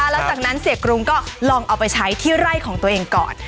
แล้วจากนั้นเสียกรุงก็ลองเอาไปใช้ที่ไร่ของตัวเองก่อน